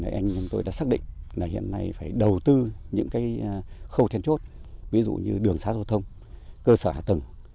anh và tôi đã xác định hiện nay phải đầu tư những khâu thiên chốt ví dụ như đường xã giao thông cơ sở hạ tầng